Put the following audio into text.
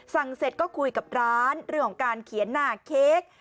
เสร็จก็คุยกับร้านเรื่องของการเขียนหน้าเค้ก